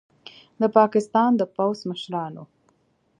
د پاکستان د پوځ مشرانو